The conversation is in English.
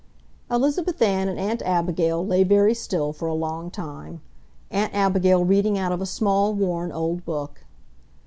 Elizabeth Ann and Aunt Abigail lay very still for a long time, Aunt Abigail reading out of a small, worn old book.